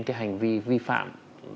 cái hành vi vi phạm